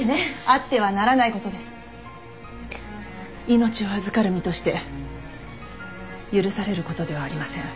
命を預かる身として許される事ではありません。